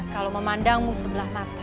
kalau memandangmu sebelah mata